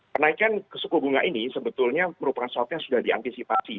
penaikan suku bunga ini sebetulnya merupakan sesuatu yang sudah diantisipasi